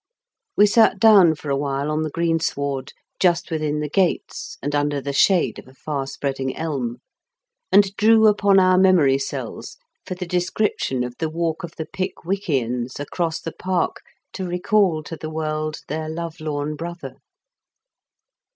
We sat down for awhile on the greensward, just within the gates, and under the shade of a far spreading elm, and drew upon our memory cells for the descrip tion of the walk of the Pickwickians across the park to recall to the world their love lorn brother.